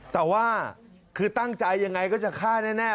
แต่ว่าคือตั้งใจยังไงก็จะฆ่าแน่